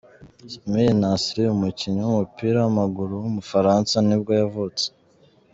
Samir Nasri, umukinnyi w’umupira w’amaguru w’umufaransa nibwo yavutse.